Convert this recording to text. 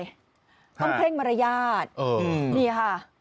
ต้องเร่งมารยาทนี่ค่ะ